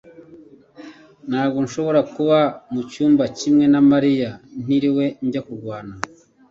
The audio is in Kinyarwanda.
Ntabwo nshobora kuba mucyumba kimwe na mariya ntiriwe njya kurwana